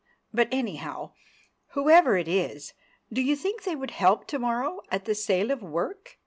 But, anyhow, whoever it is, do you think they would help to morrow at the Sale of Work?